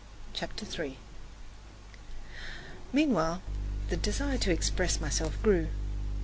CHAPTER III Meanwhile the desire to express myself grew.